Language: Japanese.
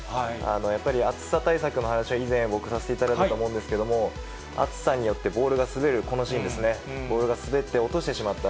やっぱり、暑さ対策の話は以前、僕させていただいたと思うんですけれども、暑さによって、ボールが滑る、このシーンですね、ボールが滑って、落としてしまった。